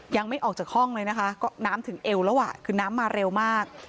ยังไม่ออกจากห้องเลยนะคะก็น้ำถึงเอวแล้วอ่ะคือน้ำมาเร็วมาก